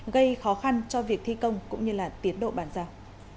gây khó khăn cho việc thi công cũng như tiến độ bàn giao